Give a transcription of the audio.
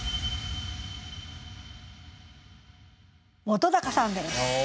本さんです。